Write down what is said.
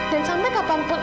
dan sampai kapanpun